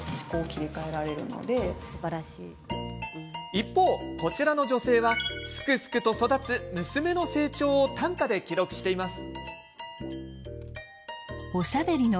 一方、こちらの女性はすくすくと育つ娘の成長を短歌で記録しています。